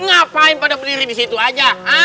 ngapain pada berdiri di situ aja